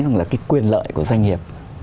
cái quyền lợi của doanh nghiệp